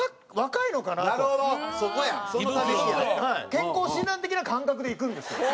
健康診断的な感覚で行くんですよ。